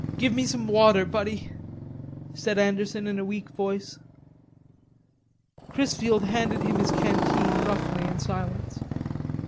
"Give me some water, buddy," said Anderson in a weak voice. Chrisfield handed him his canteen roughly in silence.